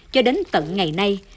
cho đến tận ngày nay